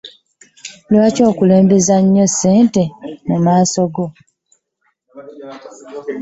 Lwaki okulembeza nnyo ssente mu maka go?